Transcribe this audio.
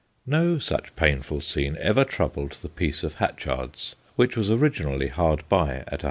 No such painful scene ever troubled the peace of Hatchard's, which was originally hard by, at 173.